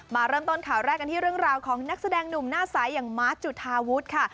มาเริ่มต้นข่าวแรกกันที่เรื่องราวของนักแสดงหนุ่มหน้าใสอย่างมาร์ทจุธาวุฒิค่ะ